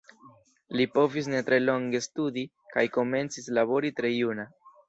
Li povis ne tre longe studi kaj komencis labori tre juna.